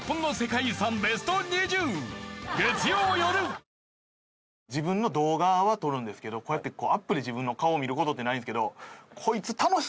最高の渇きにＤＲＹ自分の動画は撮るんですけどこうやってアップで自分の顔を見る事ってないんですけど。